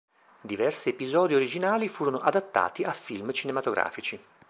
Diversi episodi originali furono adattati a film cinematografici.